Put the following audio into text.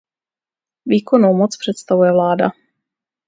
Výkonnou moc představuje vláda.